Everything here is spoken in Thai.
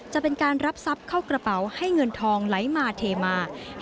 จะเป็นการรับทรัพย์เข้ากระเป๋าให้เงินทองไหลมาเทมา